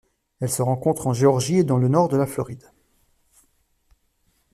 Elle se rencontre en Géorgie et dans le Nord de la Floride.